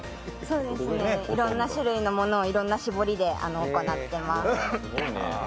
そうですね、いろいろな種類のものをいろいろな絞りで行っています。